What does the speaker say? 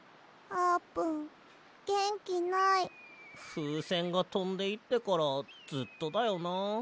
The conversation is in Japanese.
ふうせんがとんでいってからずっとだよな。